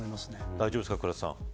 大丈夫ですか、倉田さん。